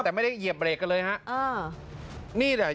แต่ไม่ได้เหยียบเวลเผยเลย